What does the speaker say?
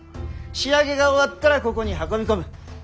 仕上げが終わったらここに運び込む。